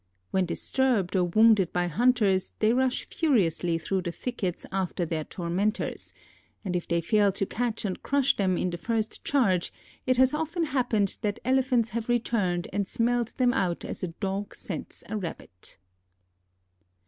When disturbed or wounded by hunters they rush furiously through the thickets after their tormentors, and if they fail to catch and crush them in the first charge it has often happened that Elephants have returned and smelled them out as a dog scents a rabbit.